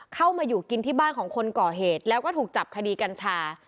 เข้ามาอยู่กินที่บ้านของคนก่อเหตุแล้วก็ถูกจับคดีกัญชา